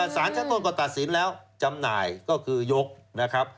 สารชั้นต้นก็ตัดสินแล้วจำหน่ายก็คือยกนะครับ